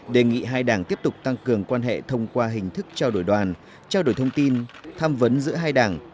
đề nghị hai đảng tiếp tục tăng cường quan hệ thông qua hình thức trao đổi đoàn trao đổi thông tin tham vấn giữa hai đảng